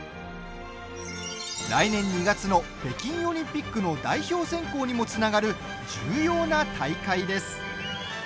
来年２月の北京オリンピックの代表選考にもつながる重要な大会です。